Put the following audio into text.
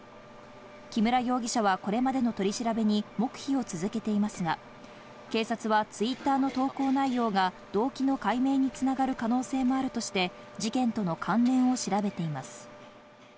木村容疑者はこれまでの取り調べに黙秘を続けていますが、警察はツイッターの投稿内容が動機の解明に繋がる可能性もあるとして事件との関連を調べています。